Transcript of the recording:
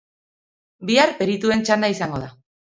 Bihar perituen txanda izango da.